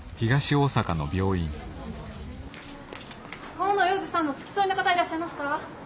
大野洋二さんの付き添いの方いらっしゃいますか？